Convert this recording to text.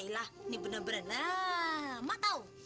ya alah ini beneran lama tau